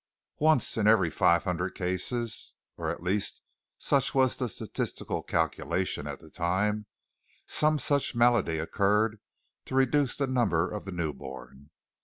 Once in every five hundred cases (or at least such was the statistical calculation at the time), some such malady occurred to reduce the number of the newborn.